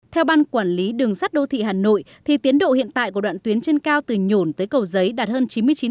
theo ban quản lý đường sắt đô thị hà nội tiến độ hiện tại của đoạn tuyến trên cao từ nhổn tới cầu giấy đạt hơn chín mươi chín